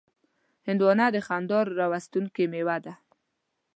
هندوانه د خندا راوستونکې میوه ده.